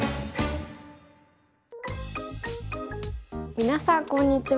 皆さんこんにちは。